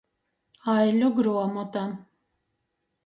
Aiļu gruomota.